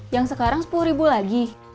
yang sekarang sepuluh ribu lagi